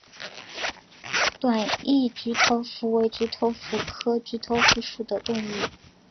短翼菊头蝠为菊头蝠科菊头蝠属的动物。